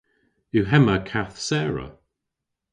Yw hemma kath Sarah?